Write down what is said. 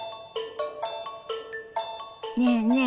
ねえねえ